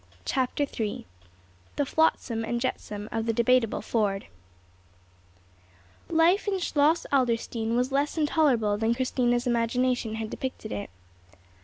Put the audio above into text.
CHAPTER III THE FLOTSAM AND JETSAM OF THE DEBATEABLE FORD LIFE in Schloss Adlerstein was little less intolerable than Christina's imagination had depicted it.